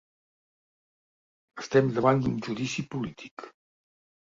Estem davant d’un judici polític.